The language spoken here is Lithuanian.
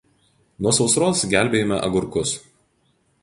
nuo sausros gelbėjome agurkus